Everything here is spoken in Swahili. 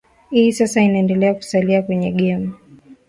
i sasa anaendelea kusalia kwenye game